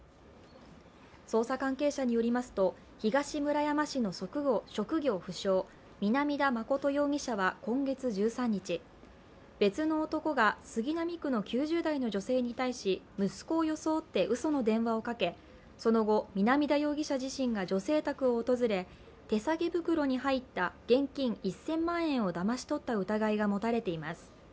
捜査関係者によりますと、東村山市の職業不詳、南田誠容疑者は今月１３日別の男が杉並区の９０代の女性に対し息子を装ってうその電話をかけその後、南田容疑者自身が女性宅を訪れ手提げ袋に入った現金１０００万円をだまし取った疑いが持たれています。